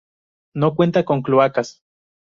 No cuenta con cloacas.